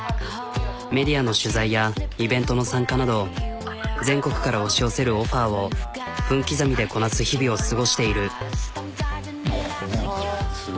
メディアの取材やイベントの参加など全国から押し寄せるオファーを分刻みでこなす日々を過ごしている。